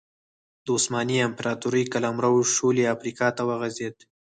د عثماني امپراتورۍ قلمرو شولې افریقا ته وغځېد.